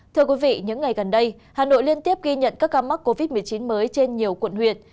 thưa quý vị những ngày gần đây hà nội liên tiếp ghi nhận các ca mắc covid một mươi chín mới trên nhiều quận huyện